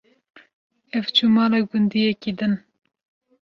ew çû mala gundiyekî din.